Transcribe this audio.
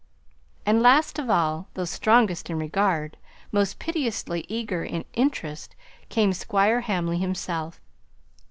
And last of all, though strongest in regard, most piteously eager in interest, came Squire Hamley himself.